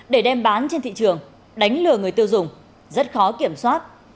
để đem bán trên thị trường đánh lừa người tiêu dùng rất khó kiểm soát